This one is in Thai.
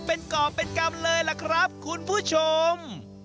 เป็นกรอบเป็นกรรมเลยล่ะครับคุณผู้ชม